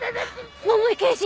桃井刑事！？